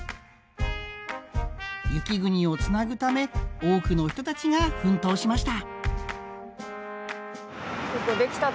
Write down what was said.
雪国をつなぐため多くの人たちが奮闘しました。